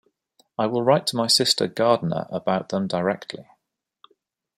I will write to my sister Gardiner about them directly.